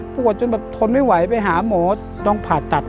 ปวดจนแบบทนไม่ไหวไปหาหมอต้องผ่าตัด